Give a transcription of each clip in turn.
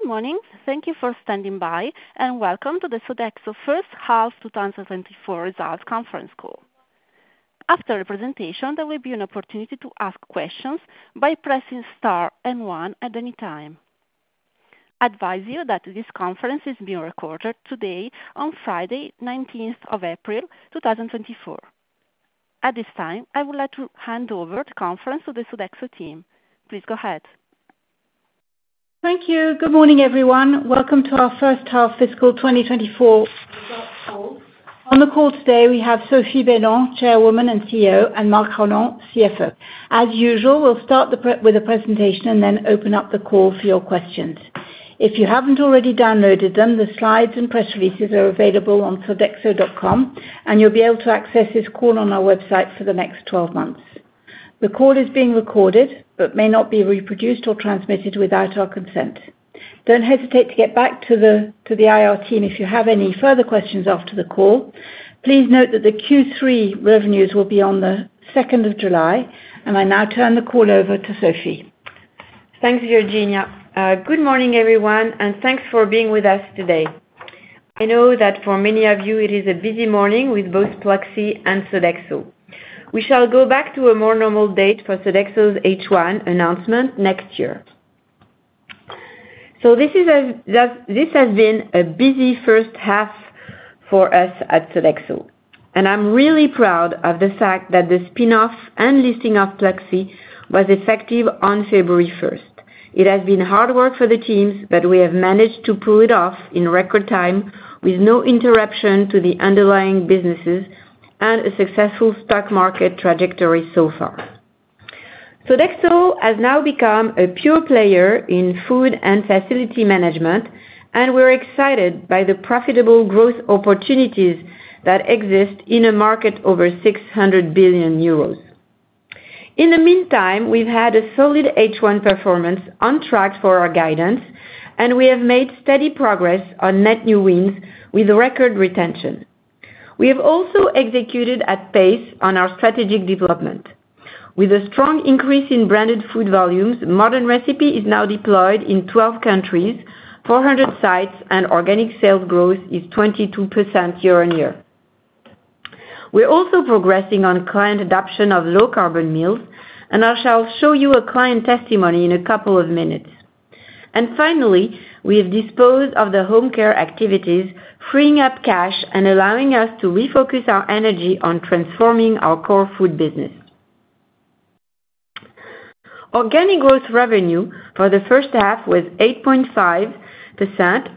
Good morning. Thank you for standing by, and welcome to the Sodexo First Half 2024 Results Conference Call. After the presentation, there will be an opportunity to ask questions by pressing star and 1 at any time. I advise you that this conference is being recorded today on Friday, 19th of April 2024. At this time, I would like to hand over the conference to the Sodexo team. Please go ahead. Thank you. Good morning, everyone. Welcome to our first half fiscal 2024 results call. On the call today, we have Sophie Bellon, Chairwoman and CEO, and Marc Rolland, CFO. As usual, we'll start the presentation and then open up the call for your questions. If you haven't already downloaded them, the slides and press releases are available on sodexo.com, and you'll be able to access this call on our website for the next 12 months. The call is being recorded, but may not be reproduced or transmitted without our consent. Don't hesitate to get back to the IR team if you have any further questions after the call. Please note that the Q3 revenues will be on the second of July, and I now turn the call over to Sophie. Thanks, Virginia. Good morning, everyone, and thanks for being with us today. I know that for many of you, it is a busy morning with both Pluxee and Sodexo. We shall go back to a more normal date for Sodexo's H1 announcement next year. So this has been a busy first half for us at Sodexo, and I'm really proud of the fact that the spin-off and listing of Pluxee was effective on February first. It has been hard work for the teams, but we have managed to pull it off in record time, with no interruption to the underlying businesses and a successful stock market trajectory so far. Sodexo has now become a pure player in food and facility management, and we're excited by the profitable growth opportunities that exist in a market over 600 billion euros. In the meantime, we've had a solid H1 performance on track for our guidance, and we have made steady progress on net new wins with record retention. We have also executed at pace on our strategic development. With a strong increase in branded food volumes, Modern Recipe is now deployed in 12 countries, 400 sites, and organic sales growth is 22% year-on-year. We're also progressing on client adoption of low-carbon meals, and I shall show you a client testimony in a couple of minutes. Finally, we have disposed of the Home Care activities, freeing up cash and allowing us to refocus our energy on transforming our core food business. Organic growth revenue for the first half was 8.5%,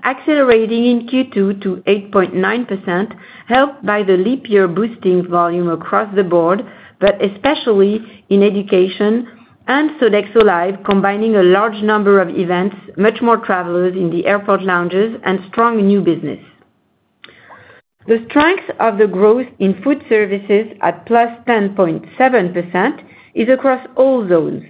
accelerating in Q2 to 8.9%, helped by the leap year boosting volume across the board, but especially in Education and Sodexo Live! combining a large number of events, much more travelers in the airport lounges and strong new business. The strength of the growth in Food Services at +10.7% is across all zones,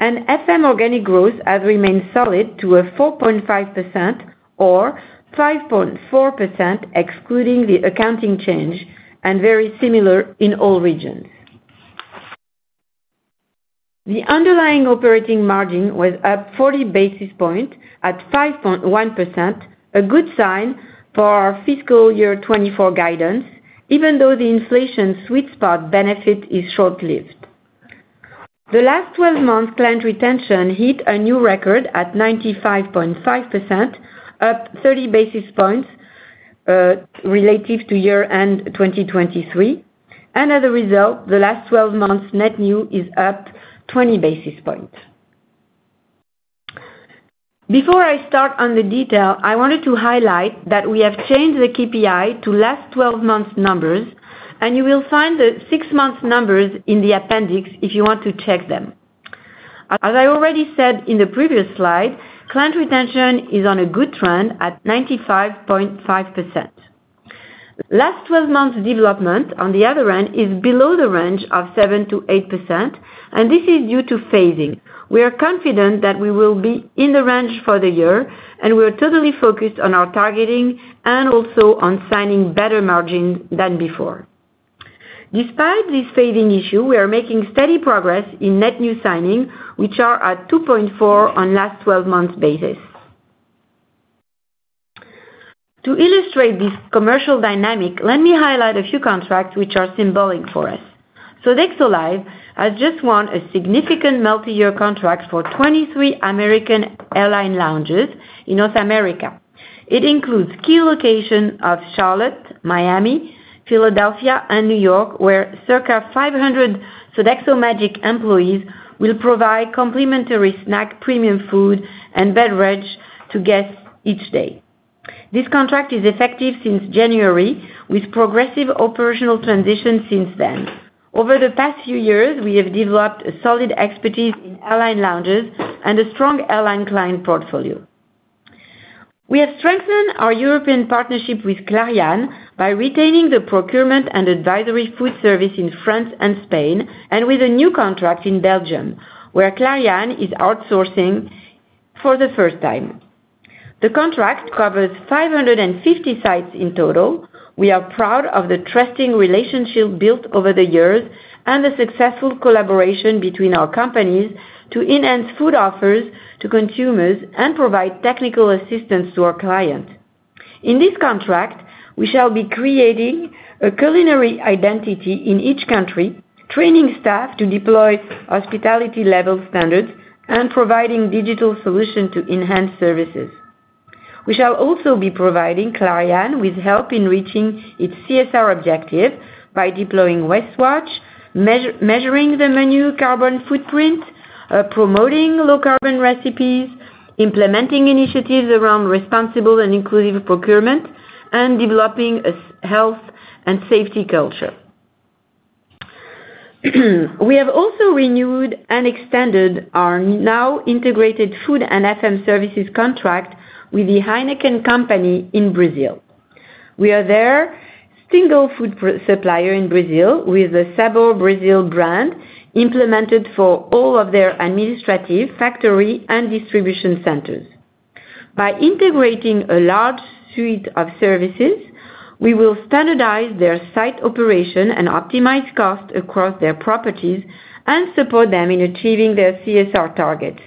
and FM organic growth has remained solid to a 4.5% or 5.4%, excluding the accounting change and very similar in all regions. The underlying operating margin was up forty basis points at 5.1%, a good sign for our fiscal year 2024 guidance, even though the inflation sweet spot benefit is short-lived. The last twelve months, client retention hit a new record at 95.5%, up thirty basis points, relative to year-end 2023. And as a result, the last twelve months net new is up twenty basis points. Before I start on the detail, I wanted to highlight that we have changed the KPI to last twelve months numbers, and you will find the six-month numbers in the appendix if you want to check them. As I already said in the previous slide, client retention is on a good trend at 95.5%. Last twelve months development, on the other hand, is below the range of 7%-8%, and this is due to phasing. We are confident that we will be in the range for the year, and we are totally focused on our targeting and also on signing better margins than before. Despite this phasing issue, we are making steady progress in net new signing, which are at 2.4 on last twelve months basis. To illustrate this commercial dynamic, let me highlight a few contracts which are symbolic for us. Sodexo Live! has just won a significant multi-year contract for 23 American Airlines lounges in North America. It includes key locations of Charlotte, Miami, Philadelphia, and New York, where circa 500 SodexoMagic employees will provide complimentary snack, premium food, and beverage to guests each day. This contract is effective since January, with progressive operational transition since then. Over the past few years, we have developed a solid expertise in airline lounges and a strong airline client portfolio. We have strengthened our European partnership with Clariane by retaining the procurement and advisory food service in France and Spain, and with a new contract in Belgium, where Clariane is outsourcing for the first time. The contract covers 550 sites in total-... We are proud of the trusting relationship built over the years and the successful collaboration between our companies to enhance food offers to consumers and provide technical assistance to our clients. In this contract, we shall be creating a culinary identity in each country, training staff to deploy hospitality level standards, and providing digital solution to enhance services. We shall also be providing Clariane with help in reaching its CSR objective by deploying WasteWatch, measuring the menu carbon footprint, promoting low carbon recipes, implementing initiatives around responsible and inclusive procurement, and developing a health and safety culture. We have also renewed and extended our now integrated food and FM services contract with The Heineken Company in Brazil. We are their single food supplier in Brazil, with several Brazilian brands implemented for all of their administrative, factory, and distribution centers. By integrating a large suite of services, we will standardize their site operation and optimize cost across their properties and support them in achieving their CSR targets.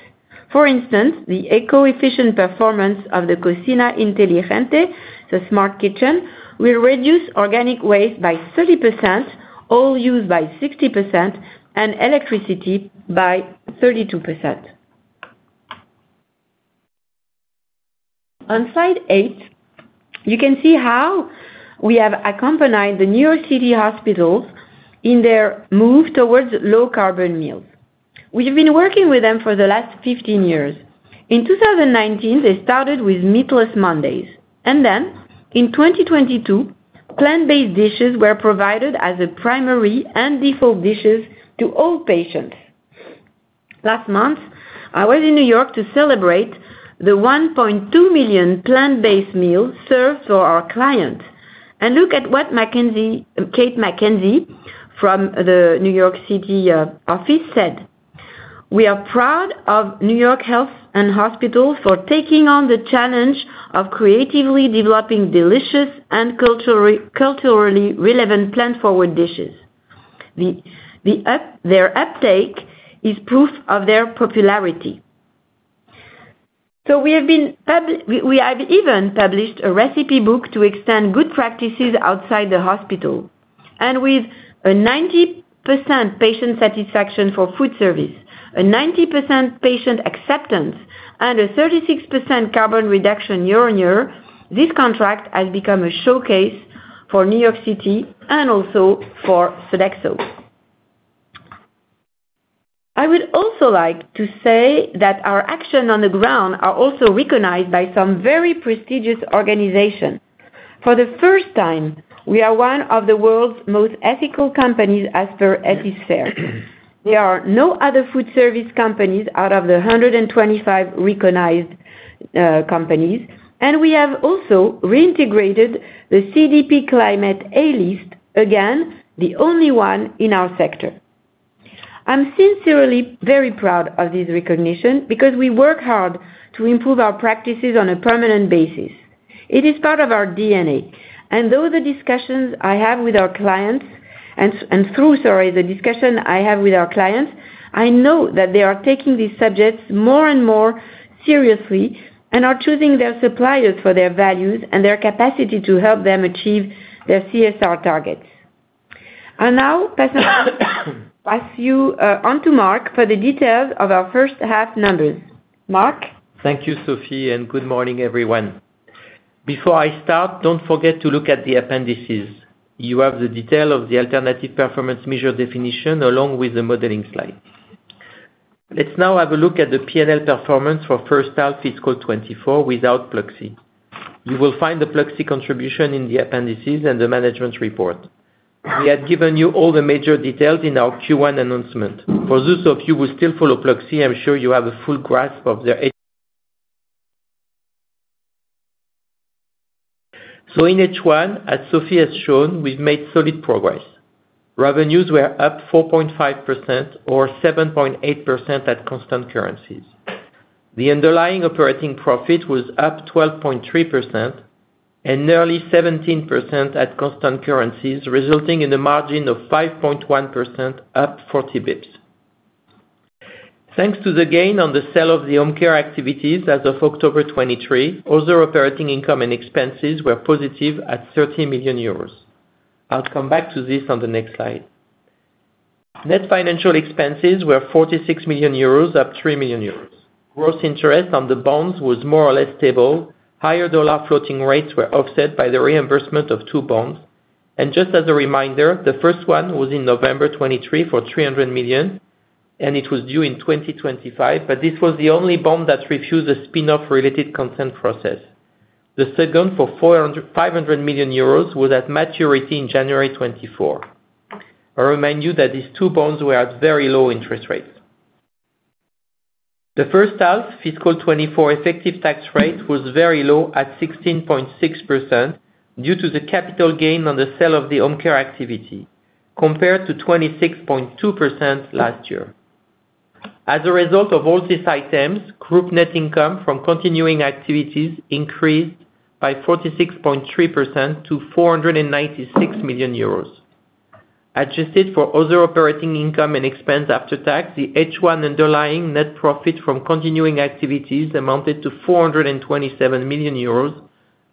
For instance, the eco-efficient performance of the Cozinha Inteligente, the smart kitchen, will reduce organic waste by 30%, oil use by 60%, and electricity by 32%. On slide 8, you can see how we have accompanied the NYC Health + Hospitals in their move towards low-carbon meals. We have been working with them for the last 15 years. In 2019, they started with Meatless Mondays, and then in 2022, plant-based dishes were provided as a primary and default dishes to all patients. Last month, I was in New York to celebrate the 1.2 million plant-based meals served for our clients. Look at what MacKenzie, Kate MacKenzie, from the New York City office said: "We are proud of NYC Health + Hospitals for taking on the challenge of creatively developing delicious and culturally relevant plant-forward dishes. The uptake is proof of their popularity." So we have even published a recipe book to extend good practices outside the hospital. With a 90% patient satisfaction for food service, a 90% patient acceptance, and a 36% carbon reduction year-on-year, this contract has become a showcase for New York City and also for Sodexo. I would also like to say that our action on the ground are also recognized by some very prestigious organizations. For the first time, we are one of the world's most ethical companies as per Ethisphere. There are no other food service companies out of the 125 recognized companies, and we have also reintegrated the CDP Climate A List, again, the only one in our sector. I'm sincerely very proud of this recognition because we work hard to improve our practices on a permanent basis. It is part of our DNA, and through the discussion I have with our clients, I know that they are taking these subjects more and more seriously, and are choosing their suppliers for their values and their capacity to help them achieve their CSR targets. Now, pass you on to Marc for the details of our first half numbers. Marc? Thank you, Sophie, and good morning, everyone. Before I start, don't forget to look at the appendices. You have the detail of the alternative performance measure definition along with the modeling slide. Let's now have a look at the P&L performance for first half fiscal 2024, without Pluxee. You will find the Pluxee contribution in the appendices and the management report. We had given you all the major details in our Q1 announcement. For those of you who still follow Pluxee, I'm sure you have a full grasp of the. So in H1, as Sophie has shown, we've made solid progress. Revenues were up 4.5% or 7.8% at constant currencies. The underlying operating profit was up 12.3% and nearly 17% at constant currencies, resulting in a margin of 5.1%, up 40 basis points. Thanks to the gain on the sale of the home care activities as of October 2023, other operating income and expenses were positive at 30 million euros. I'll come back to this on the next slide. Net financial expenses were 46 million euros, up 3 million euros. Gross interest on the bonds was more or less stable. Higher U.S. dollar floating rates were offset by the reimbursement of two bonds, and just as a reminder, the first one was in November 2023 for 300 million, and it was due in 2025, but this was the only bond that refused a spin-off related consent process. The second, for 400-500 million euros, was at maturity in January 2024. I remind you that these two bonds were at very low interest rates. The H1 fiscal 2024 effective tax rate was very low at 16.6% due to the capital gain on the sale of the home care activity, compared to 26.2% last year. As a result of all these items, group net income from continuing activities increased by 46.3% to 496 million euros. Adjusted for other operating income and expense after tax, the H1 underlying net profit from continuing activities amounted to 427 million euros,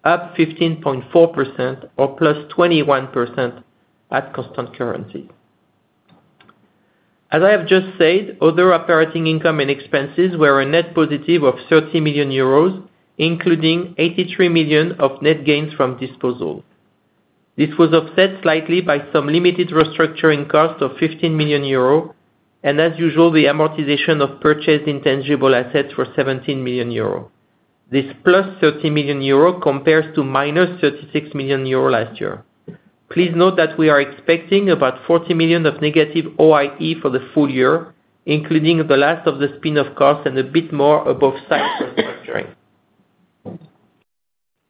up 15.4% or +21% at constant currency. As I have just said, other operating income and expenses were a net positive of 30 million euros, including 83 million of net gains from disposal. This was offset slightly by some limited restructuring costs of 15 million euro, and as usual, the amortization of purchased intangible assets were 17 million euro. This +30 million euro compares to -36 million euro last year. Please note that we are expecting about 40 million of negative OIE for the full year, including the last of the spin-off costs and a bit more above site restructuring.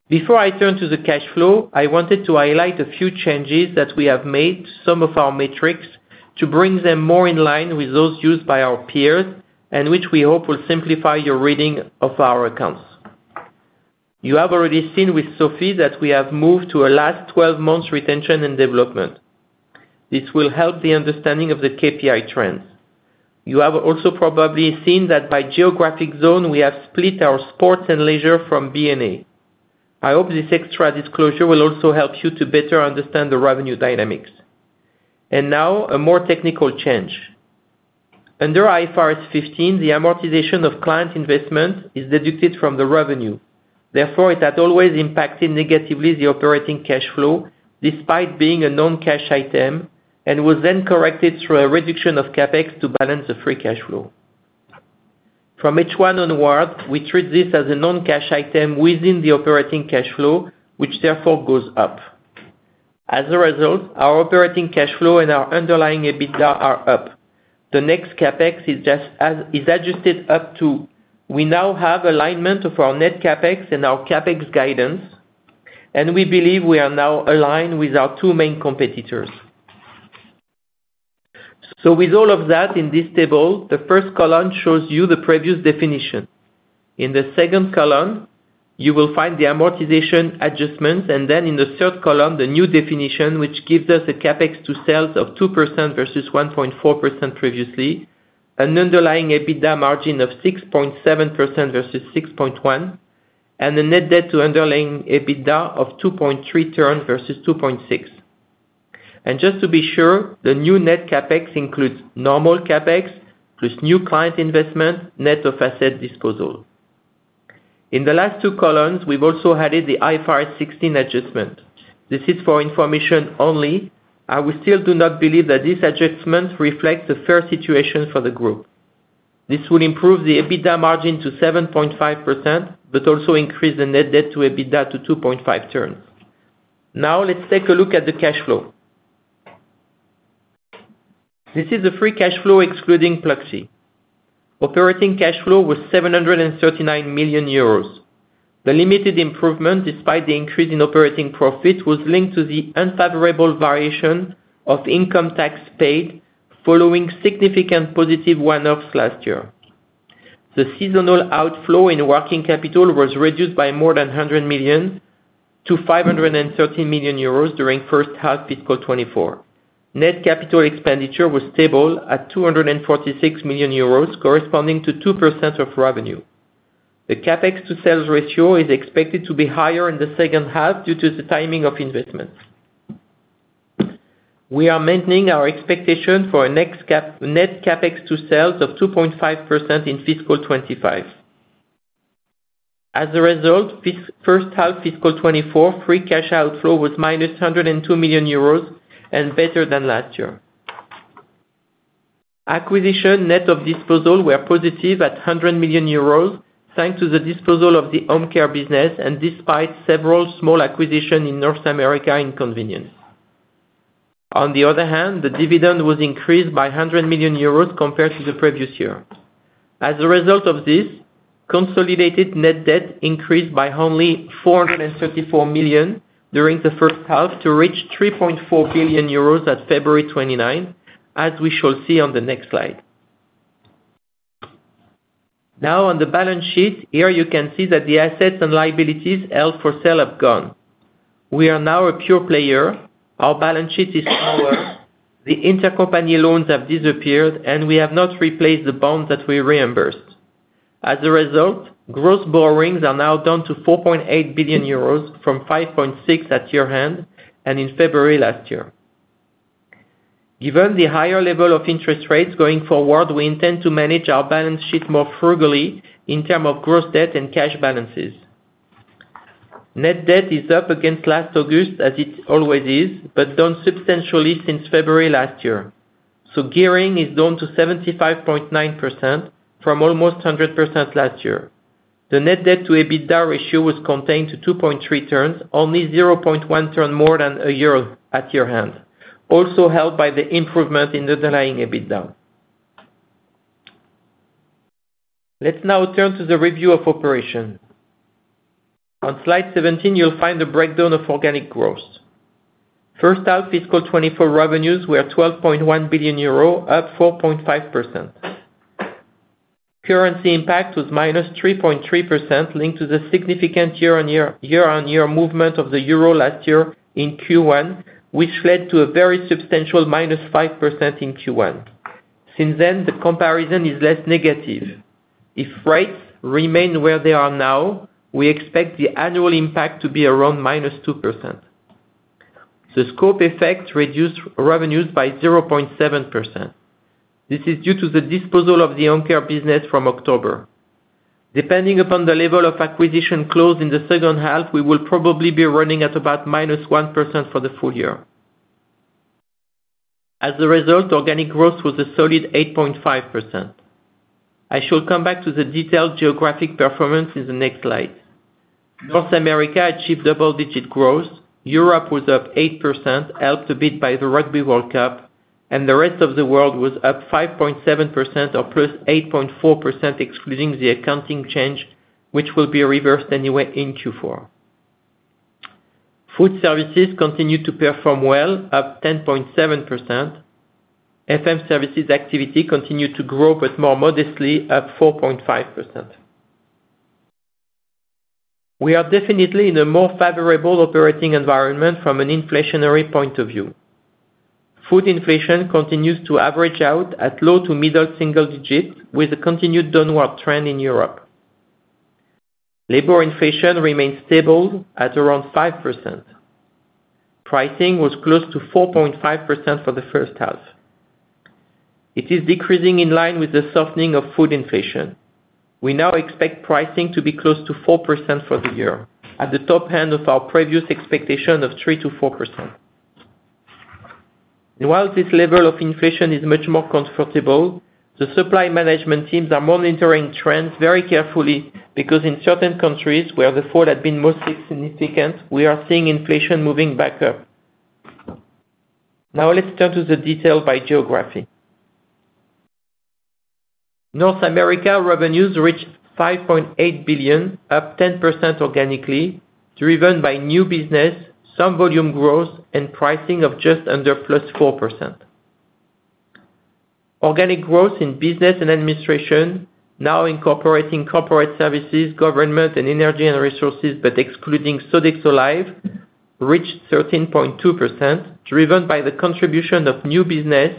Before I turn to the cash flow, I wanted to highlight a few changes that we have made to some of our metrics to bring them more in line with those used by our peers, and which we hope will simplify your reading of our accounts. You have already seen with Sophie that we have moved to a last 12 months retention and development. This will help the understanding of the KPI trends. You have also probably seen that by geographic zone, we have split our Sports & Leisure from B&A. I hope this extra disclosure will also help you to better understand the revenue dynamics. And now, a more technical change. Under IFRS 15, the amortization of client investment is deducted from the revenue. Therefore, it had always impacted negatively the operating cash flow, despite being a non-cash item, and was then corrected through a reduction of CapEx to balance the free cash flow. From H1 onward, we treat this as a non-cash item within the operating cash flow, which therefore goes up. As a result, our operating cash flow and our underlying EBITDA are up. The net CapEx is adjusted up to. We now have alignment of our net CapEx and our CapEx guidance, and we believe we are now aligned with our two main competitors. So with all of that in this table, the first column shows you the previous definition. In the second column, you will find the amortization adjustments, and then in the third column, the new definition, which gives us a CapEx to sales of 2% versus 1.4% previously, an underlying EBITDA margin of 6.7% versus 6.1%, and a net debt to underlying EBITDA of 2.3 turns versus 2.6. And just to be sure, the new net CapEx includes normal CapEx, plus new client investment, net of asset disposal. In the last two columns, we've also added the IFRS 16 adjustment. This is for information only, and we still do not believe that this adjustment reflects the fair situation for the group. This will improve the EBITDA margin to 7.5%, but also increase the net debt to EBITDA to 2.5 turns. Now, let's take a look at the cash flow. This is the free cash flow, excluding Pluxee. Operating cash flow was 739 million euros. The limited improvement, despite the increase in operating profit, was linked to the unfavorable variation of income tax paid following significant positive one-offs last year. The seasonal outflow in working capital was reduced by more than 100 million to 513 million euros during first half fiscal 2024. Net capital expenditure was stable at 246 million euros, corresponding to 2% of revenue. The CapEx to sales ratio is expected to be higher in the second half due to the timing of investments. We are maintaining our expectation for a net CapEx to sales of 2.5% in fiscal 2025. As a result, this first half fiscal 2024, free cash outflow was -102 million euros and better than last year. Acquisition net of disposal were positive at 100 million euros, thanks to the disposal of the home care business, and despite several small acquisition in North America in convenience. On the other hand, the dividend was increased by 100 million euros compared to the previous year. As a result of this, consolidated net debt increased by only 434 million during the first half to reach 3.4 billion euros at February 29, 2024, as we shall see on the next slide. Now, on the balance sheet, here you can see that the assets and liabilities held for sale have gone. We are now a pure player. Our balance sheet is lower, the intercompany loans have disappeared, and we have not replaced the bonds that we reimbursed. As a result, gross borrowings are now down to 4.8 billion euros from 5.6 billion at year-end, and in February last year. Given the higher level of interest rates going forward, we intend to manage our balance sheet more frugally in terms of gross debt and cash balances. Net debt is up against last August, as it always is, but down substantially since February last year. So gearing is down to 75.9% from almost 100% last year. The net debt to EBITDA ratio was contained to 2.3 turns, only 0.1 turn more than a year at year-end, also helped by the improvement in the underlying EBITDA. Let's now turn to the review of operations. On slide 17, you'll find a breakdown of organic growth. First out, fiscal 2024 revenues were 12.1 billion euro, up 4.5%. Currency impact was -3.3%, linked to the significant year-on-year, year-on-year movement of the euro last year in Q1, which led to a very substantial -5% in Q1. Since then, the comparison is less negative. If rates remain where they are now, we expect the annual impact to be around -2%. The scope effect reduced revenues by 0.7%. This is due to the disposal of the home care business from October. Depending upon the level of acquisition closed in the second half, we will probably be running at about -1% for the full year. As a result, organic growth was a solid 8.5%. I shall come back to the detailed geographic performance in the next slide. North America achieved double-digit growth. Europe was up 8%, helped a bit by the Rugby World Cup, and the Rest of the World was up 5.7% or +8.4%, excluding the accounting change, which will be reversed anyway in Q4. Food services continued to perform well, up 10.7%. FM services activity continued to grow, but more modestly, at 4.5%. We are definitely in a more favorable operating environment from an inflationary point of view. Food inflation continues to average out at low to middle single digits, with a continued downward trend in Europe. Labor inflation remains stable at around 5%. Pricing was close to 4.5% for the first half. It is decreasing in line with the softening of food inflation. We now expect pricing to be close to 4% for the year, at the top end of our previous expectation of 3%-4%. While this level of inflation is much more comfortable, the supply management teams are monitoring trends very carefully, because in certain countries where the fall had been most significant, we are seeing inflation moving back up. Now let's turn to the detail by geography. North America revenues reached 5.8 billion, up 10% organically, driven by new business, some volume growth, and pricing of just under +4%. Organic growth in Business & Administrations, now incorporating corporate services, government, and energy and resources, but excluding Sodexo Live, reached 13.2%, driven by the contribution of new business,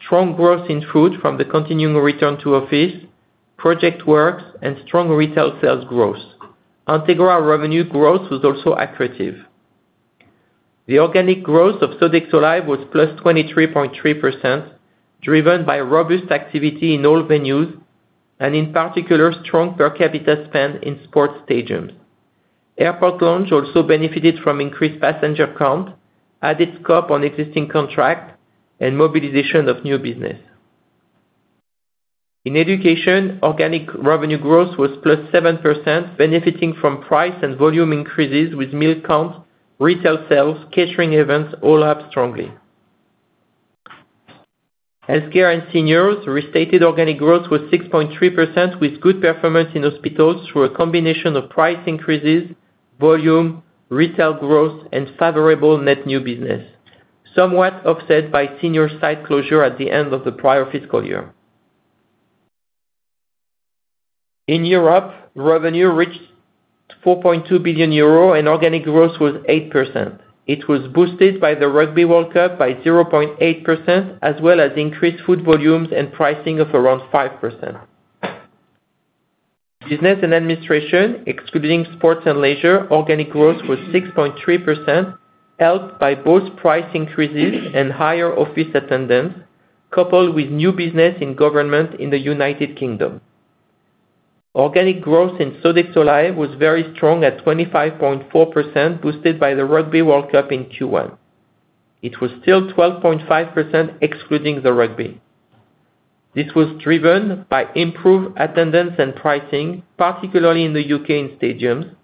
strong growth in food from the continuing return to office, project works, and strong retail sales growth. Entegra revenue growth was also accretive. The organic growth of Sodexo Live was +23.3%, driven by robust activity in all venues, and in particular, strong per capita spend in sports stadiums. Airport Lounge also benefited from increased passenger count, added scope on existing contract, and mobilization of new business. In education, organic revenue growth was +7%, benefiting from price and volume increases with meal count, retail sales, catering events, all up strongly. Healthcare & Seniors restated organic growth was 6.3%, with good performance in hospitals through a combination of price increases, volume, retail growth, and favorable net new business, somewhat offset by senior site closure at the end of the prior fiscal year. In Europe, revenue reached 4.2 billion euro and organic growth was 8%. It was boosted by the Rugby World Cup by 0.8%, as well as increased food volumes and pricing of around 5%. Business and administration, excluding sports and leisure, organic growth was 6.3%, helped by both price increases and higher office attendance, coupled with new business in government in the United Kingdom. Organic growth in Sodexo Live was very strong at 25.4%, boosted by the Rugby World Cup in Q1. It was still 12.5% excluding the rugby. This was driven by improved attendance and pricing, particularly in the UK in stadiums,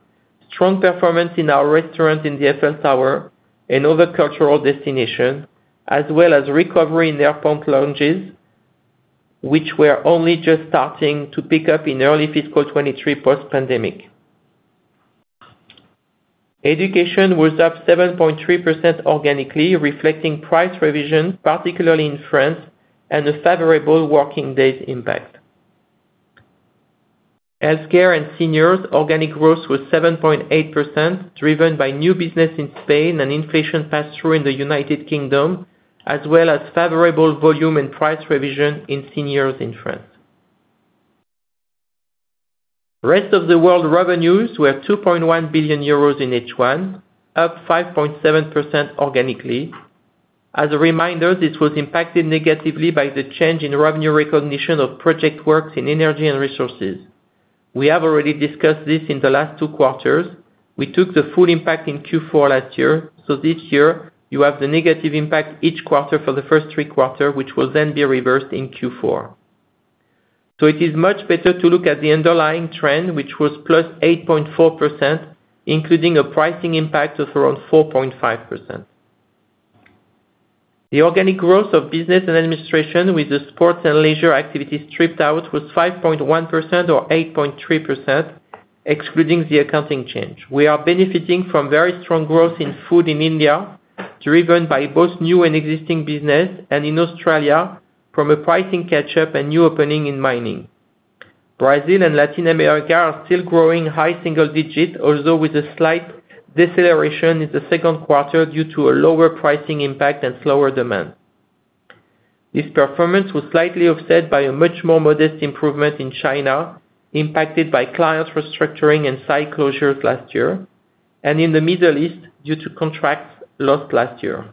strong performance in our restaurant in the Eiffel Tower and other cultural destinations, as well as recovery in the airport lounges, which we're only just starting to pick up in early fiscal 2023, post-pandemic. Education was up 7.3% organically, reflecting price revisions, particularly in France, and a favorable working days impact Healthcare & Seniors, organic growth was 7.8%, driven by new business in Spain and inflation pass-through in the United Kingdom, as well as favorable volume and price revision in seniors in France. Rest of the world revenues were 2.1 billion euros in H1, up 5.7% organically. As a reminder, this was impacted negatively by the change in revenue recognition of project works in energy and resources. We have already discussed this in the last two quarters. We took the full impact in Q4 last year, so this year you have the negative impact each quarter for the first three quarters, which will then be reversed in Q4. So it is much better to look at the underlying trend, which was +8.4%, including a pricing impact of around 4.5%....The organic growth of business and administration with the sports and leisure activities stripped out was 5.1% or 8.3%, excluding the accounting change. We are benefiting from very strong growth in food in India, driven by both new and existing business, and in Australia from a pricing catch-up and new opening in mining. Brazil and Latin America are still growing high single digit, although with a slight deceleration in the second quarter due to a lower pricing impact and slower demand. This performance was slightly offset by a much more modest improvement in China, impacted by client restructuring and site closures last year, and in the Middle East due to contracts lost last year.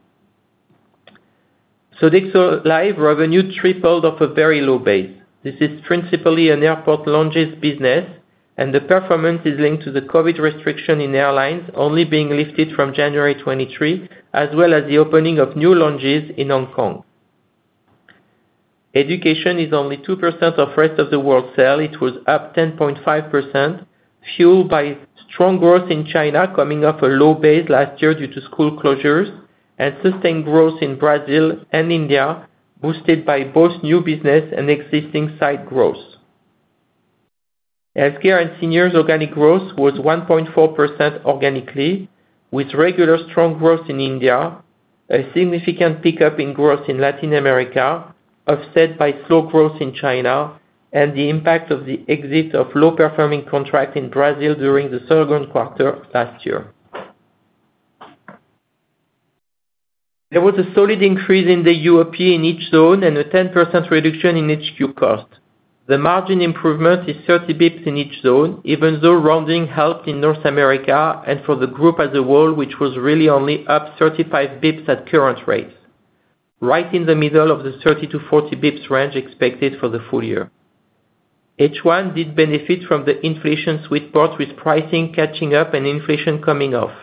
Sodexo Live revenue tripled off a very low base. This is principally an airport lounges business, and the performance is linked to the COVID restriction in airlines, only being lifted from January 2023, as well as the opening of new lounges in Hong Kong. Education is only 2% of rest of the world sale. It was up 10.5%, fueled by strong growth in China, coming off a low base last year due to school closures and sustained growth in Brazil and India, boosted by both new business and existing site growth. Healthcare and seniors organic growth was 1.4% organically, with regular strong growth in India, a significant pickup in growth in Latin America, offset by slow growth in China and the impact of the exit of low-performing contract in Brazil during the second quarter of last year. There was a solid increase in the UOP in each zone and a 10% reduction in HQ cost. The margin improvement is 30 bps in each zone, even though rounding helped in North America and for the group as a whole, which was really only up 35 bps at current rates, right in the middle of the 30-40 bps range expected for the full year. H1 did benefit from the inflation sweet spot, with pricing catching up and inflation coming off.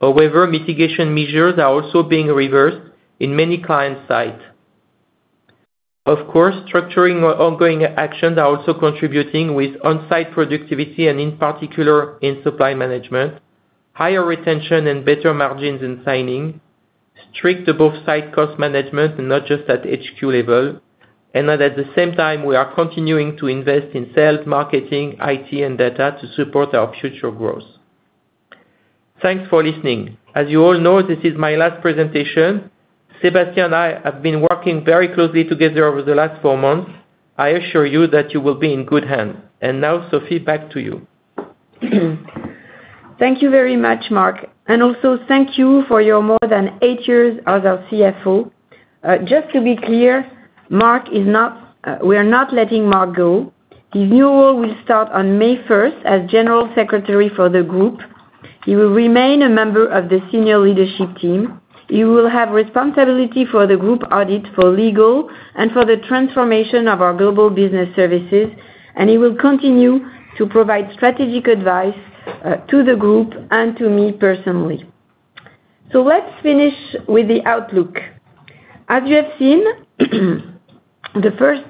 However, mitigation measures are also being reversed in many client sites. Of course, structuring our ongoing actions are also contributing with on-site productivity and in particular, in supply management, higher retention and better margins in signing, strict above site cost management, and not just at HQ level, and at the same time, we are continuing to invest in sales, marketing, IT, and data to support our future growth. Thanks for listening. As you all know, this is my last presentation. Sébastien and I have been working very closely together over the last four months. I assure you that you will be in good hands. And now, Sophie, back to you. Thank you very much, Marc, and also thank you for your more than eight years as our CFO. Just to be clear, Marc is not—we are not letting Marc go. His new role will start on May first, as General Secretary for the group. He will remain a member of the senior leadership team. He will have responsibility for the group audit, for legal, and for the transformation of our global business services, and he will continue to provide strategic advice, to the group and to me personally. So let's finish with the outlook. As you have seen, the first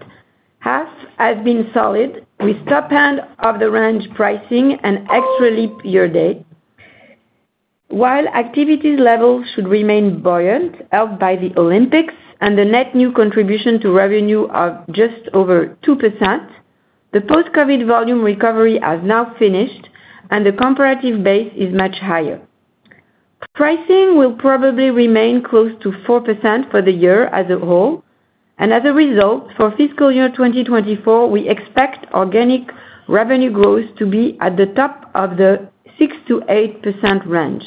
half has been solid, with top end of the range pricing and extra leap year day. While activity levels should remain buoyant, helped by the Olympics and the net new contribution to revenue of just over 2%, the post-COVID volume recovery has now finished, and the comparative base is much higher. Pricing will probably remain close to 4% for the year as a whole, and as a result, for fiscal year 2024, we expect organic revenue growth to be at the top of the 6%-8% range.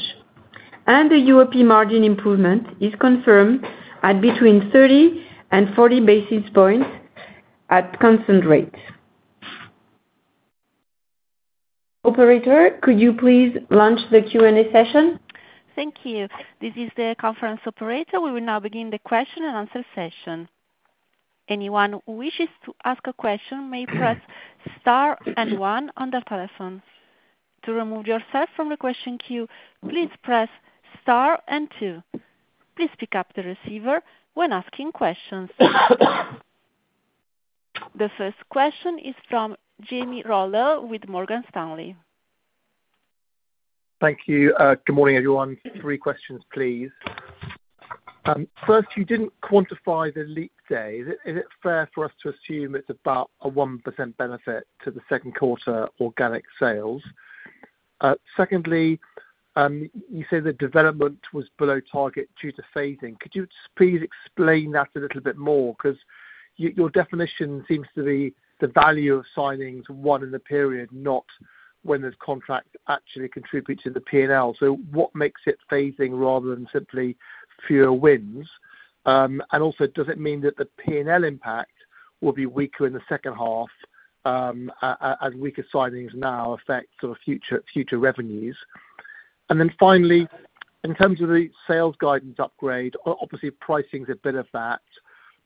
The European margin improvement is confirmed at between 30 and 40 basis points at constant rates. Operator, could you please launch the Q&A session? Thank you. This is the conference operator. We will now begin the question and answer session. Anyone who wishes to ask a question may press Star and One on their telephones. To remove yourself from the question queue, please press Star and Two. Please pick up the receiver when asking questions. The first question is from Jamie Rollo with Morgan Stanley. Thank you. Good morning, everyone. Three questions, please. First, you didn't quantify the leap day. Is it fair for us to assume it's about a 1% benefit to the second quarter organic sales? Secondly, you say the development was below target due to phasing. Could you just please explain that a little bit more? Because your definition seems to be the value of signings, one in the period, not when the contract actually contributes to the P&L. So what makes it phasing rather than simply fewer wins? And also, does it mean that the P&L impact will be weaker in the second half, as weaker signings now affect sort of future, future revenues? Then finally, in terms of the sales guidance upgrade, obviously, pricing's a bit of that,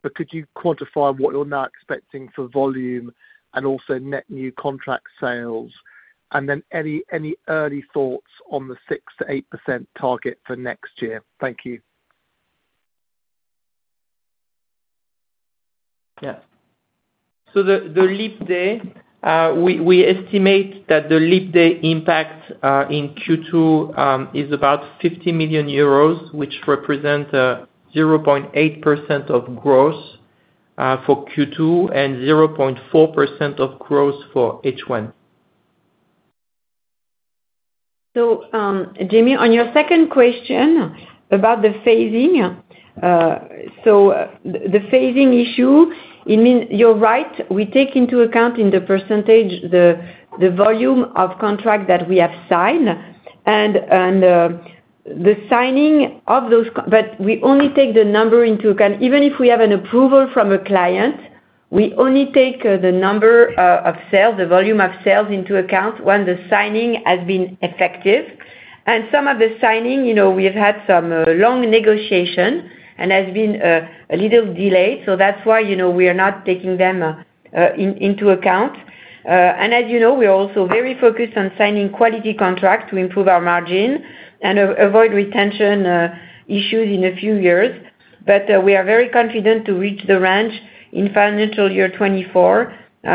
but could you quantify what you're now expecting for volume and also net new contract sales? And then any early thoughts on the 6%-8% target for next year? Thank you.... Yeah. So the leap day impact in Q2 is about 50 million euros, which represent 0.8% of gross for Q2 and 0.4% of gross for H1. So, Jamie, on your second question about the phasing, so the phasing issue, it means you're right, we take into account in the percentage, the volume of contract that we have signed and the signing of those contracts but we only take the number into account. Even if we have an approval from a client, we only take the number of sales, the volume of sales into account when the signing has been effective. And some of the signing, you know, we have had some long negotiation and has been a little delayed, so that's why, you know, we are not taking them into account. And as you know, we are also very focused on signing quality contracts to improve our margin and avoid retention issues in a few years. But, we are very confident to reach the range in financial year 2024,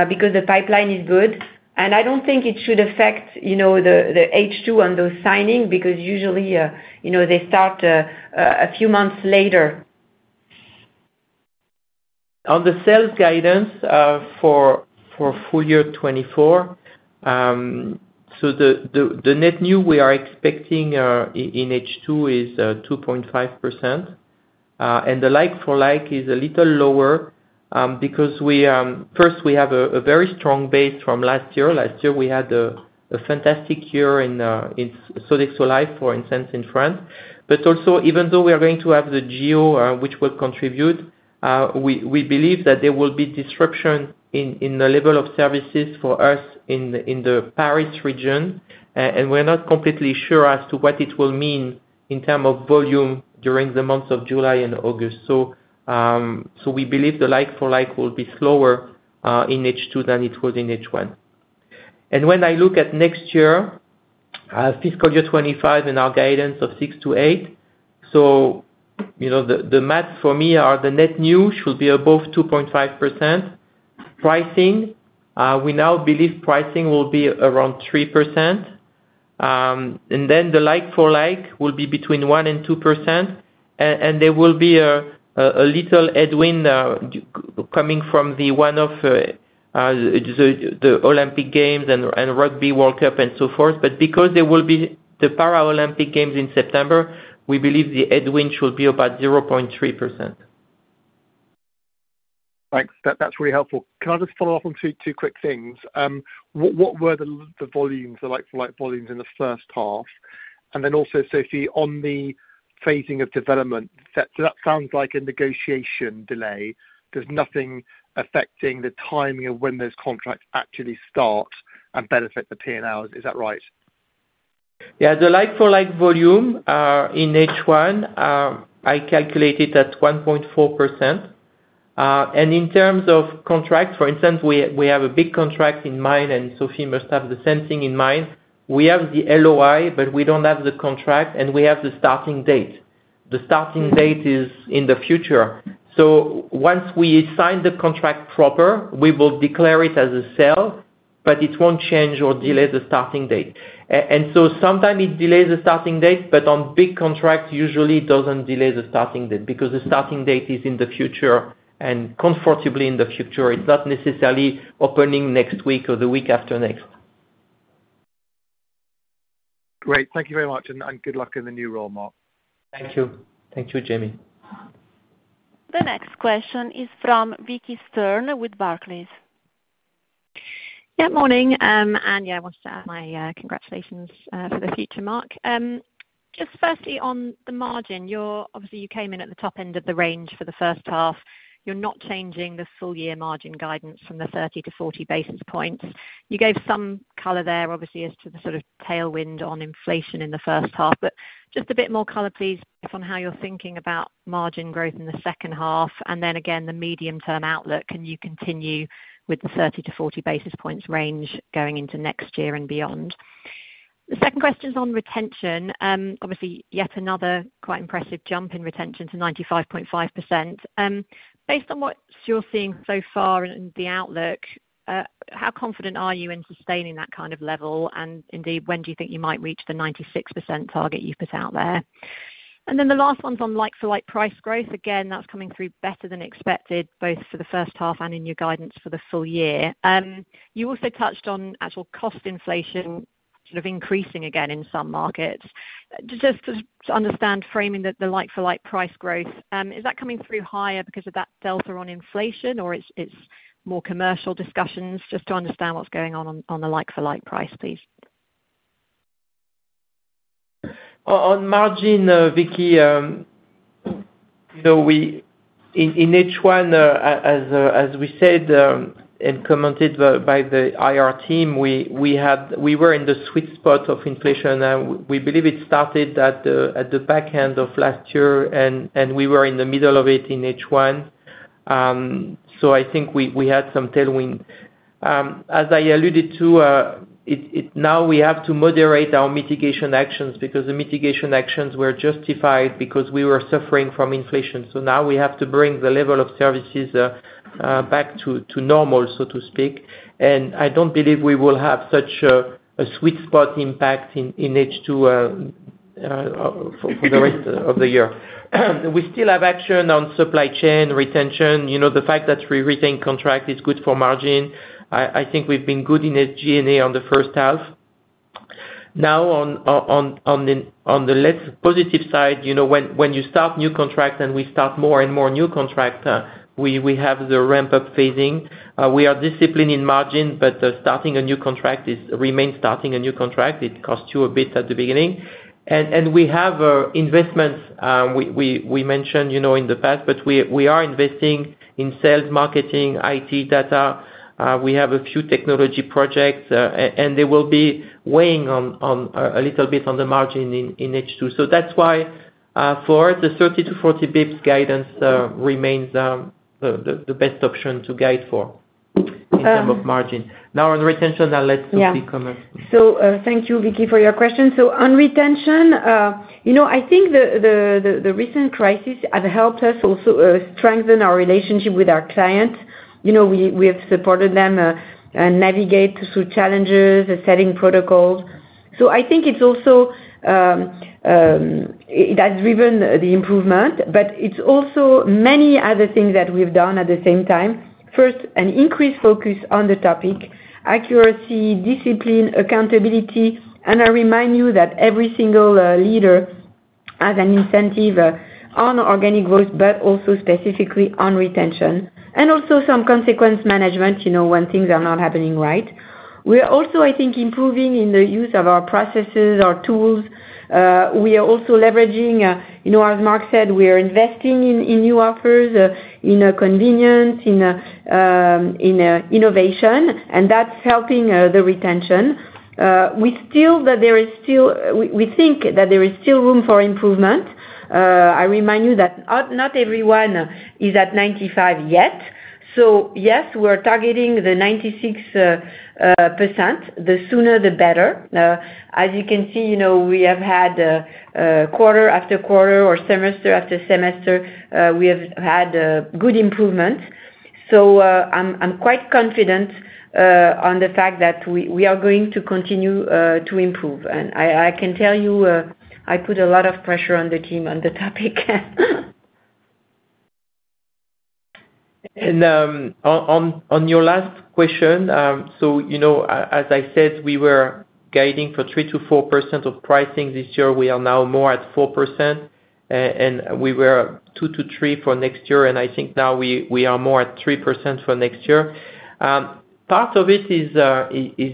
because the pipeline is good. And I don't think it should affect, you know, the H2 on those signing, because usually, you know, they start a few months later. On the sales guidance, for full year 2024, so the net new we are expecting in H2 is 2.5%. And the like-for-like is a little lower, because we first, we have a very strong base from last year. Last year we had a fantastic year in Sodexo Live!, for instance, in France. But also, even though we are going to have the J.O., which will contribute, we believe that there will be disruption in the level of services for us in the Paris region. And we're not completely sure as to what it will mean in terms of volume during the months of July and August. So, so we believe the like-for-like will be slower in H2 than it was in H1. When I look at next year, fiscal year 2025 and our guidance of 6%-8%, so, you know, the math for me is the net new should be above 2.5%. Pricing, we now believe pricing will be around 3%. And then the like-for-like will be between 1%-2%, and there will be a little headwind coming from the one-off of the Olympic Games and Rugby World Cup and so forth. But because there will be the Paralympic Games in September, we believe the headwind should be about 0.3%. Thanks. That's really helpful. Can I just follow up on two quick things? What were the like-for-like volumes in the first half? And then also, Sophie, on the phasing of development, so that sounds like a negotiation delay. There's nothing affecting the timing of when those contracts actually start and benefit the P&L, is that right? Yeah, the like-for-like volume in H1 I calculate it at 1.4%. And in terms of contracts, for instance, we have a big contract in mind, and Sophie must have the same thing in mind. We have the LOI, but we don't have the contract, and we have the starting date. The starting date is in the future. So once we sign the contract proper, we will declare it as a sale, but it won't change or delay the starting date. And so sometime it delays the starting date, but on big contracts, usually it doesn't delay the starting date, because the starting date is in the future and comfortably in the future. It's not necessarily opening next week or the week after next. Great. Thank you very much, and good luck in the new role, Marc. Thank you. Thank you, Jamie. The next question is from Vicki Stern with Barclays. Yeah, morning. Yeah, I wanted to add my congratulations for the future, Marc. Just firstly, on the margin, you're, obviously you came in at the top end of the range for the first half. You're not changing the full year margin guidance from the 30-40 basis points. You gave some color there, obviously, as to the sort of tailwind on inflation in the first half, but just a bit more color, please, on how you're thinking about margin growth in the second half, and then again, the medium-term outlook, can you continue with the 30-40 basis points range going into next year and beyond? The second question is on retention. Obviously, yet another quite impressive jump in retention to 95.5%. Based on what you're seeing so far and the outlook, how confident are you in sustaining that kind of level? And indeed, when do you think you might reach the 96% target you put out there? And then the last one's on like-for-like price growth. Again, that's coming through better than expected, both for the first half and in your guidance for the full year. You also touched on actual cost inflation sort of increasing again in some markets. Just to understand, framing the like-for-like price growth, is that coming through higher because of that delta on inflation, or it's more commercial discussions? Just to understand what's going on, on the like-for-like price, please. On margin, Vicki, you know, we -- in H1, as we said, and commented by the IR team, we were in the sweet spot of inflation, and we believe it started at the back end of last year, and we were in the middle of it in H1. So I think we had some tailwind. As I alluded to, it. Now we have to moderate our mitigation actions, because the mitigation actions were justified because we were suffering from inflation. So now we have to bring the level of services back to normal, so to speak. And I don't believe we will have such a sweet spot impact in H2 for the rest of the year. We still have action on supply chain retention. You know, the fact that we retain contract is good for margin. I think we've been good in SG&A on the first half. Now, on the less positive side, you know, when you start new contracts, and we start more and more new contract, we have the ramp-up phasing. We are disciplined in margin, but starting a new contract remains starting a new contract. It costs you a bit at the beginning. And we have investments. We mentioned, you know, in the past, but we are investing in sales, marketing, IT, data. We have a few technology projects, and they will be weighing on a little bit on the margin in H2. So that's why, for the 30-40 basis points guidance, remains the best option to guide for- Um- In terms of margin. Now, on retention, I'll let Sophie come up. Yeah. So, thank you, Vicki, for your question. So on retention, you know, I think the recent crisis have helped us also strengthen our relationship with our clients. You know, we have supported them navigate through challenges, setting protocols. So I think it's also. It has driven the improvement, but it's also many other things that we've done at the same time. First, an increased focus on the topic, accuracy, discipline, accountability, and I remind you that every single leader has an incentive on organic growth, but also specifically on retention. And also some consequence management, you know, when things are not happening right. We are also, I think, improving in the use of our processes, our tools. We are also leveraging, you know, as Marc said, we are investing in new offers, in convenience, in innovation, and that's helping the retention. We think that there is still room for improvement. I remind you that not everyone is at 95 yet, so yes, we're targeting the 96%. The sooner, the better. As you can see, you know, we have had quarter after quarter or semester after semester, we have had good improvement. So, I'm quite confident on the fact that we are going to continue to improve. And I can tell you, I put a lot of pressure on the team on the topic. On your last question, so, you know, as I said, we were guiding for 3%-4% of pricing this year. We are now more at 4%, and we were 2%-3% for next year, and I think now we are more at 3% for next year. Part of it is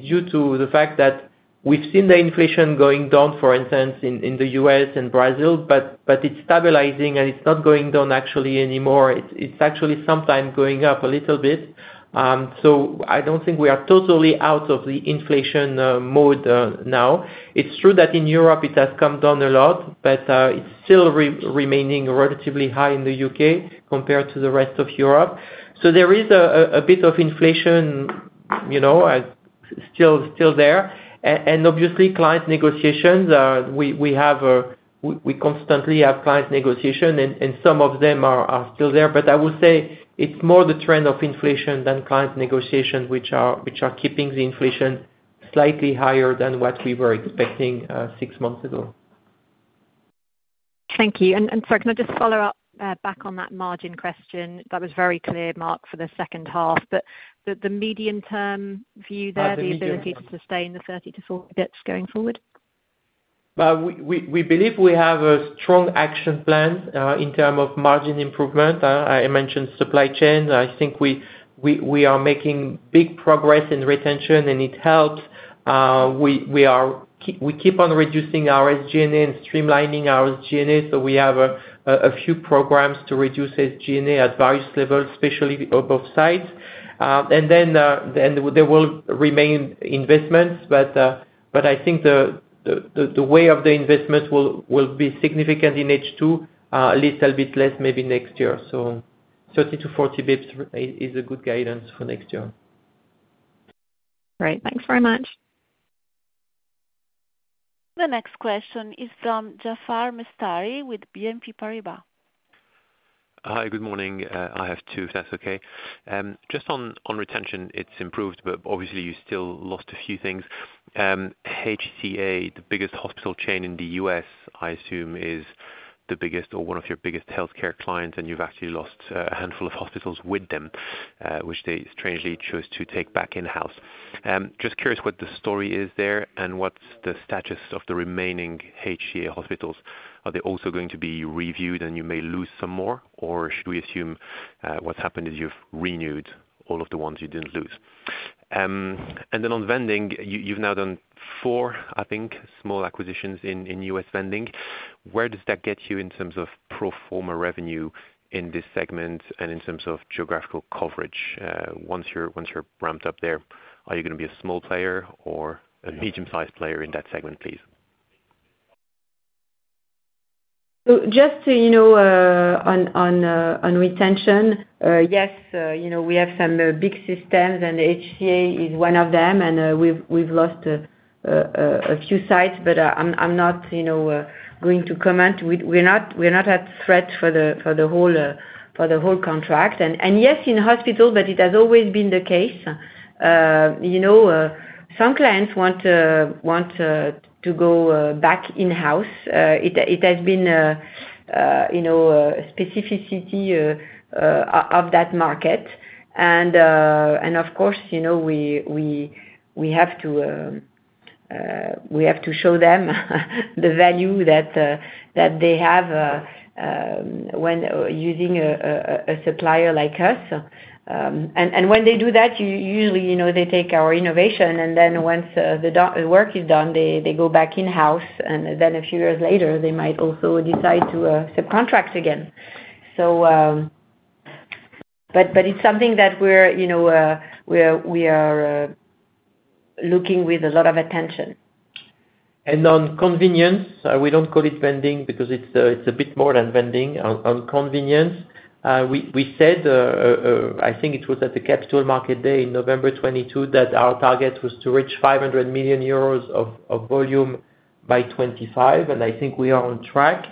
due to the fact that we've seen the inflation going down, for instance, in the U.S. and Brazil, but it's stabilizing, and it's not going down actually anymore. It's actually sometime going up a little bit. So I don't think we are totally out of the inflation mode now. It's true that in Europe it has come down a lot, but it's still remaining relatively high in the U.K. compared to the rest of Europe. So there is a bit of inflation, you know, still, still there. And obviously, client negotiations, we constantly have client negotiation and some of them are still there. But I would say it's more the trend of inflation than client negotiation, which are keeping the inflation slightly higher than what we were expecting six months ago. Thank you, and sorry, can I just follow up back on that margin question? That was very clear, Marc, for the second half, but the medium-term view there- The medium term. the ability to sustain the 30-40 bps going forward? We believe we have a strong action plan in terms of margin improvement. I mentioned supply chain. I think we are making big progress in retention, and it helps. We keep on reducing our SG&A and streamlining our SG&A, so we have a few programs to reduce SG&A at various levels, especially on both sides. There will remain investments, but I think the way of the investment will be significant in H2, a little bit less maybe next year. So 30-40 basis points is a good guidance for next year. Great. Thanks very much. The next question is from Jaafar Mestari with BNP Paribas. Hi, good morning. I have two, if that's okay. Just on retention, it's improved, but obviously you still lost a few things. HCA, the biggest hospital chain in the U.S., I assume, is the biggest or one of your biggest healthcare clients, and you've actually lost a handful of hospitals with them, which they strangely chose to take back in-house. Just curious what the story is there, and what's the status of the remaining HCA hospitals? Are they also going to be reviewed, and you may lose some more, or should we assume what's happened is you've renewed all of the ones you didn't lose? And then on vending, you've now done four, I think, small acquisitions in U.S. vending. Where does that get you in terms of pro forma revenue in this segment, and in terms of geographical coverage, once you're, once you're ramped up there? Are you gonna be a small player or a medium-sized player in that segment, please? ... So just so you know, on retention, yes, you know, we have some big systems and HCA is one of them, and we've lost a few sites, but I'm not, you know, going to comment. We're not at threat for the whole contract. And yes, in hospital, but it has always been the case. You know, some clients want to go back in-house. It has been, you know, specificity of that market. And of course, you know, we have to show them the value that they have when using a supplier like us. And when they do that, you usually, you know, they take our innovation, and then once the work is done, they, they go back in-house, and then a few years later, they might also decide to subcontract again. So, but it's something that we're, you know, we are looking with a lot of attention. On convenience, we don't call it vending because it's a, it's a bit more than vending. On convenience, we said, I think it was at the Capital Market Day in November 2022, that our target was to reach 500 million euros of volume by 2025, and I think we are on track.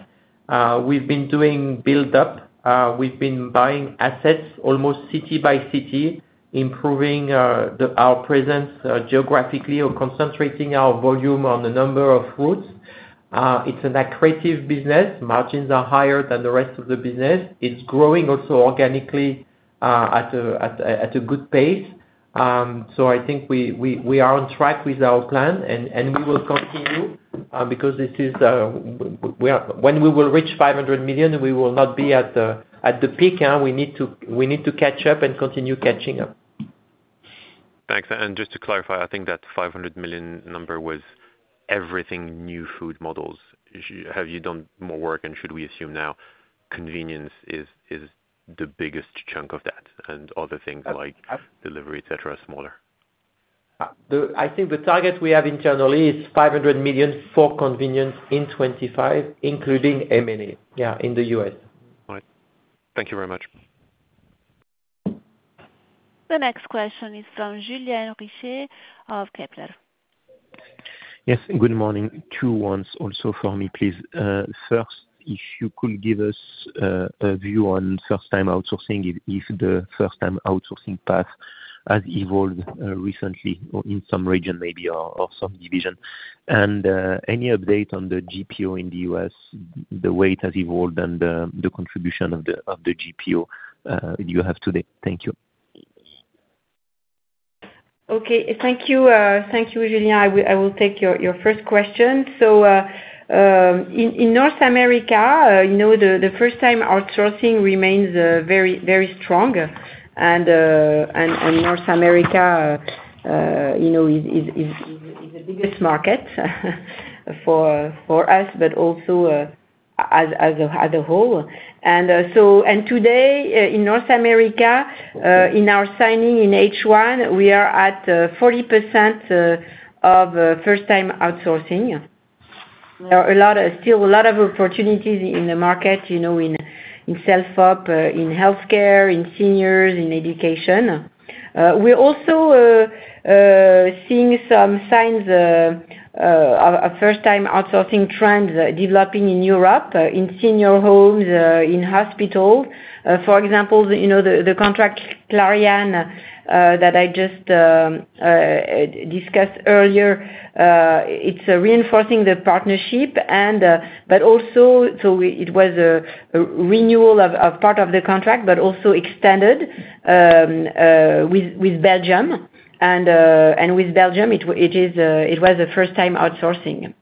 We've been doing build up, we've been buying assets almost city by city, improving our presence geographically, or concentrating our volume on the number of routes. It's an accretive business, margins are higher than the rest of the business. It's growing also organically at a good pace. So, I think we are on track with our plan, and we will continue because this is when we will reach 500 million, we will not be at the peak. We need to catch up and continue catching up. Thanks. And just to clarify, I think that 500 million number was everything new food models. Have you done more work, and should we assume now convenience is, is the biggest chunk of that, and other things like delivery, et cetera, are smaller? I think the target we have internally is $500 million for convenience in 2025, including M&A, yeah, in the U.S. All right. Thank you very much. The next question is from Julien Richer of Kepler. Yes, good morning. Two ones also for me, please. First, if you could give us a view on first-time outsourcing, if, if the first-time outsourcing path has evolved recently or in some region, maybe, or, or some division? And, any update on the GPO in the U.S., the way it has evolved and the, the contribution of the, of the GPO you have today. Thank you. Okay. Thank you, thank you, Julien. I will take your first question. So, in North America, you know, the first time outsourcing remains very, very strong. And North America, you know, is the biggest market for us, but also, as a whole. And so, and today, in North America, in our signing in H1, we are at 40% of first time outsourcing. There are a lot of, still a lot of opportunities in the market, you know, in self-op, in healthcare, in seniors, in education. We're also seeing some signs of first-time outsourcing trends developing in Europe, in senior homes, in hospital. For example, you know, the contract Clariane that I just discussed earlier, it's reinforcing the partnership and, but also. So it was a renewal of part of the contract, but also extended with Belgium, and with Belgium, it was a first-time outsourcing.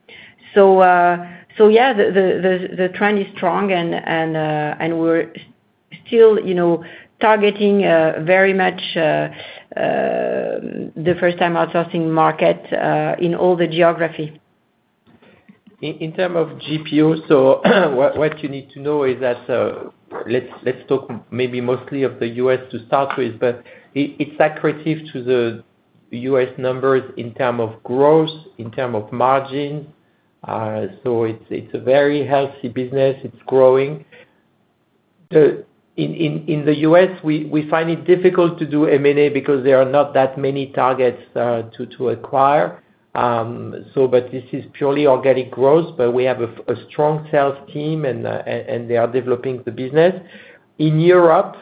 So, so yeah, the trend is strong and we're still, you know, targeting very much the first-time outsourcing market in all the geography. In terms of GPO, so what you need to know is that, let's talk maybe mostly of the U.S. to start with, but it's accretive to the U.S. numbers in terms of growth, in terms of margins. So it's a very healthy business. It's growing. In the U.S., we find it difficult to do M&A because there are not that many targets to acquire. So but this is purely organic growth, but we have a strong sales team, and they are developing the business. In Europe,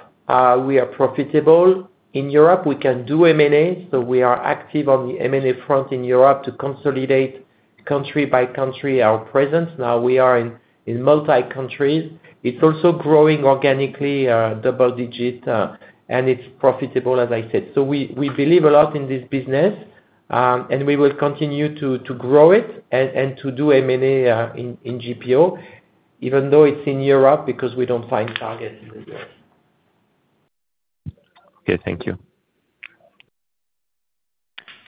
we are profitable. In Europe, we can do M&A, so we are active on the M&A front in Europe to consolidate country by country our presence. Now we are in multi-countries. It's also growing organically, double digit, and it's profitable, as I said. So we believe a lot in this business, and we will continue to grow it and to do M&A, in GPO, even though it's in Europe, because we don't find targets in the U.S. Okay, thank you.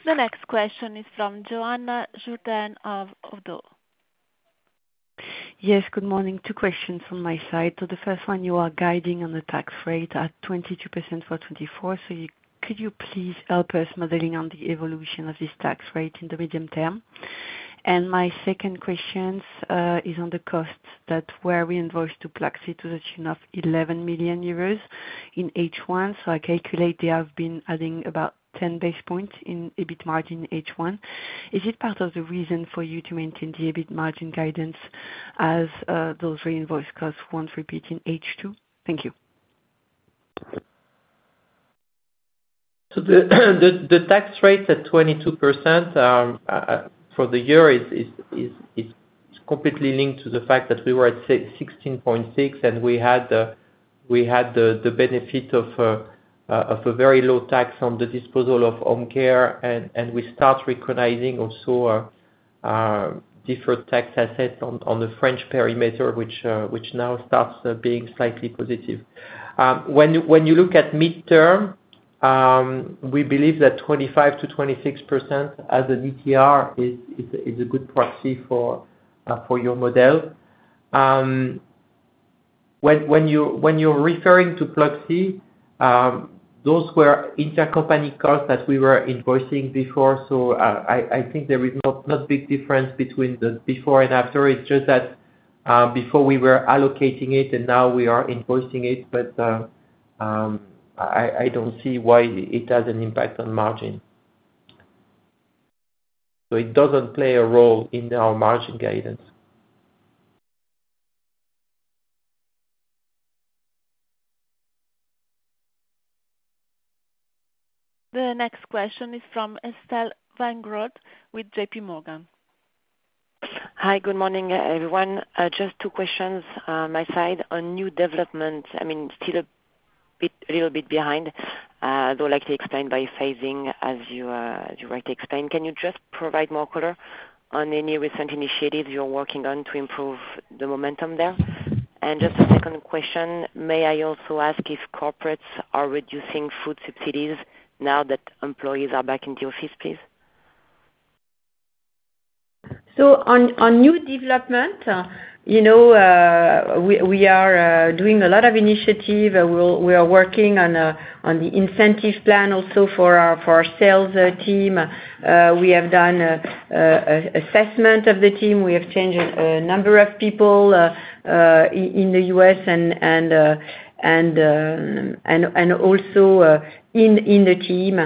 The next question is from Johanna Jourdain of Oddo BHF. Yes, good morning. Two questions on my side. So the first one, you are guiding on the tax rate at 22% for 2024. So could you please help us modeling on the evolution of this tax rate in the medium term? My second questions is on the costs that were reinvoiced to Pluxee to the tune of 11 million euros in H1. So I calculate they have been adding about 10 basis points in EBIT margin H1. Is it part of the reason for you to maintain the EBIT margin guidance as those reinvoiced costs won't repeat in H2? Thank you. So the tax rate at 22% for the year is completely linked to the fact that we were at 16.6, and we had the benefit of a very low tax on the disposal of home care. We start recognizing also different tax assets on the French perimeter, which now starts being slightly positive. When you look at midterm, we believe that 25%-26% as an ETR is a good proxy for your model. When you're referring to Pluxee, those were intercompany costs that we were invoicing before, so I think there is not big difference between the before and after. It's just that, before we were allocating it, and now we are invoicing it. But, I don't see why it has an impact on margin. So it doesn't play a role in our margin guidance. The next question is from Estelle Weingrod with JPMorgan. Hi, good morning, everyone. Just two questions. My side on new development, I mean, still a bit, little bit behind, though likely explained by phasing as you just explained. Can you just provide more color on any recent initiatives you're working on to improve the momentum there? And just a second question, may I also ask if corporates are reducing food subsidies now that employees are back in the office, please? So, on new development, you know, we are doing a lot of initiative. We are working on the incentive plan also for our sales team. We have done assessment of the team. We have changed a number of people in the U.S. and also in the team.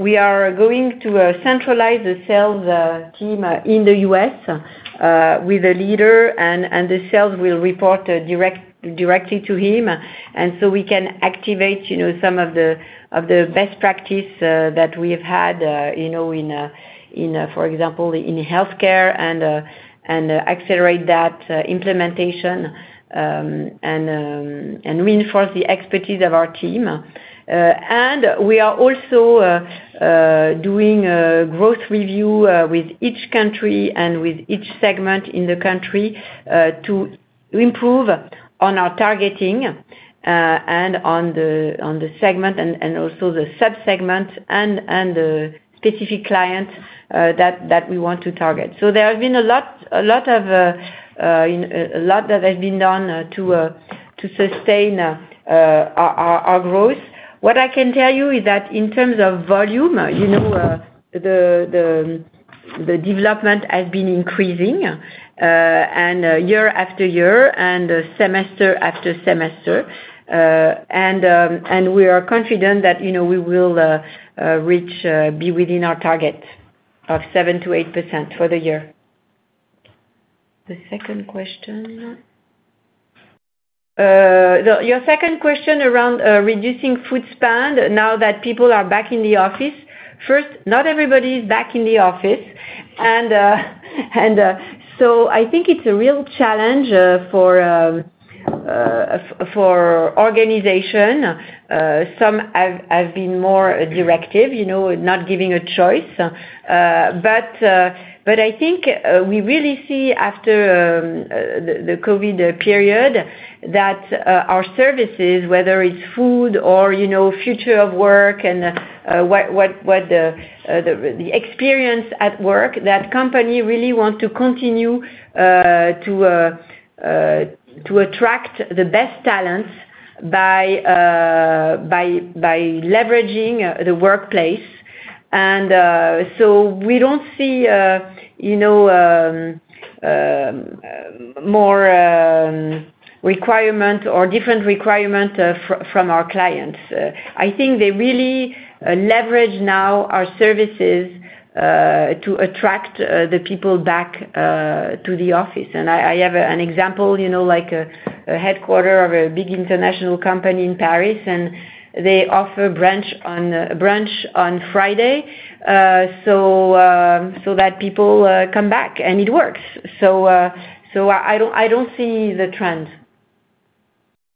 We are going to centralize the sales team in the U.S. with a leader, and the sales will report directly to him. So we can activate, you know, some of the best practice that we have had, you know, in, for example, in healthcare and accelerate that implementation and reinforce the expertise of our team. We are also doing a growth review with each country and with each segment in the country to improve on our targeting and on the segment and also the sub-segment and the specific clients that we want to target. So there have been a lot, a lot of, a lot that has been done to sustain our growth. What I can tell you is that in terms of volume, you know, the development has been increasing, and year after year and semester after semester. We are confident that, you know, we will be within our target of 7%-8% for the year. The second question? Your second question around reducing food spend now that people are back in the office. First, not everybody is back in the office, and so I think it's a real challenge for organization. Some have been more directive, you know, not giving a choice. But I think we really see after the COVID period that our services, whether it's food or, you know, future of work and what the experience at work, that company really want to continue to attract the best talents by leveraging the workplace. So we don't see, you know, more requirement or different requirement from our clients. I think they really leverage now our services to attract the people back to the office. I have an example, you know, like a headquarters of a big international company in Paris, and they offer brunch on Friday, so that people come back, and it works. So, I don't see the trend.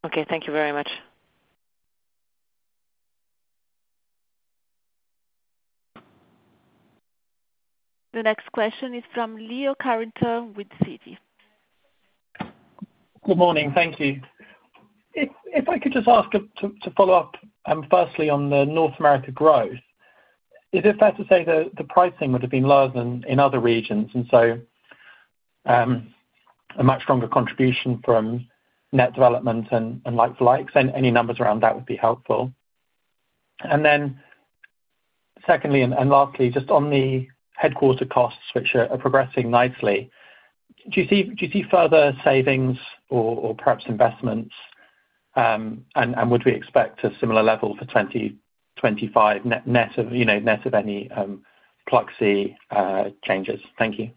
Okay. Thank you very much. The next question is from Leo Carrington with Citi. Good morning. Thank you. If I could just ask to follow up, firstly on the North America growth, is it fair to say the pricing would have been lower than in other regions, and so a much stronger contribution from net development and like-for-likes, and any numbers around that would be helpful?... Then secondly and lastly, just on the headquarters costs, which are progressing nicely. Do you see further savings or perhaps investments, and would we expect a similar level for 2025 net of, you know, net of any Pluxee changes? Thank you.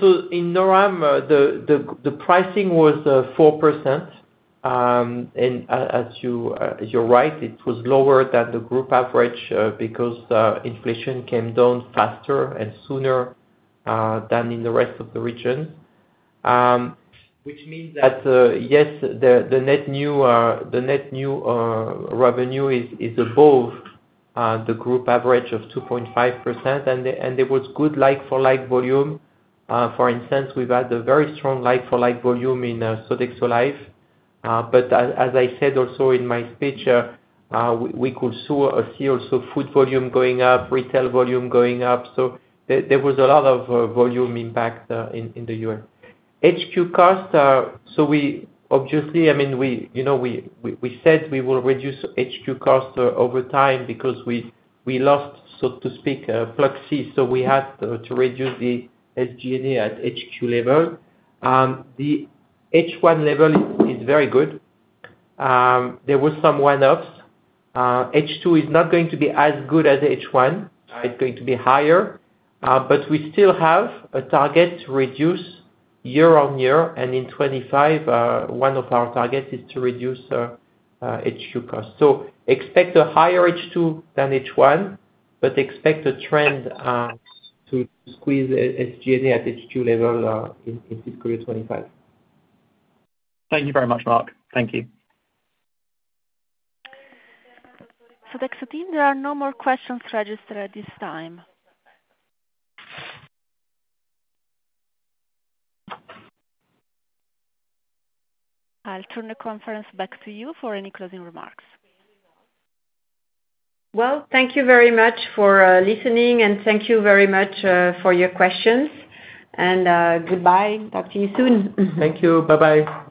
So in NORAM, the pricing was 4%. And as you're right, it was lower than the group average because the inflation came down faster and sooner than in the rest of the region. Which means that, yes, the net new revenue is above the group average of 2.5%, and there was good like-for-like volume. For instance, we've had a very strong like-for-like volume in Sodexo Live!. But as I said also in my speech, we could see also food volume going up, retail volume going up, so there was a lot of volume impact in the US. HQ costs are, so we obviously, I mean, we said we will reduce HQ costs over time because we lost, so to speak, Pluxee, so we had to reduce the SG&A at HQ level. The H1 level is very good. There was some one-offs. H2 is not going to be as good as H1. It's going to be higher, but we still have a target to reduce year-over-year and in 25, one of our targets is to reduce HQ costs. So expect a higher H2 than H1, but expect a trend to squeeze SG&A at H2 level, in fiscal year 25. Thank you very much, Marc. Thank you. Sodexo team, there are no more questions registered at this time. I'll turn the conference back to you for any closing remarks. Well, thank you very much for listening, and thank you very much for your questions. Goodbye. Talk to you soon. Thank you. Bye-bye.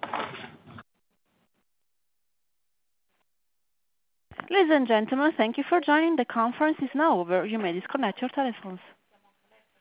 Ladies and gentlemen, thank you for joining. The conference is now over. You may disconnect your telephones.